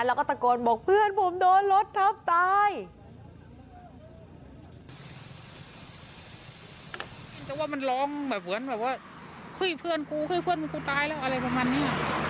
แล้วก็ตะโกนบอกเพื่อนผมโดนรถทำตาย